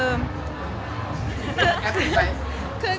แอฟเป็นแฟน